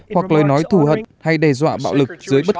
hoặc lời nói thù hận hay đe dọa bạo lực